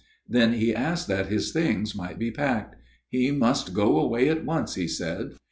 Then he asked that his things might be packed. He must go away at once, he said.